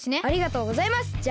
ありがとうございます！